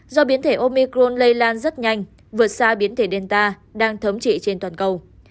do biến thể omicron lây lan rất nhanh vượt xa biến thể delta đang thấm trị trên toàn cầu